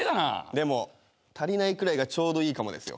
でも足りないくらいがちょうどいいかもですよ。